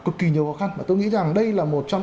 cực kỳ nhiều khó khăn mà tôi nghĩ rằng đây là một trong